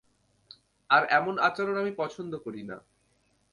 আর এমন আচরণ আমি পছন্দ করিনা।